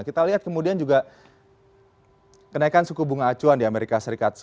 kita lihat kemudian juga kenaikan suku bunga acuan di amerika serikat